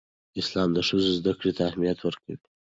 اسلام د ښځو زدهکړې ته اهمیت ورکوي.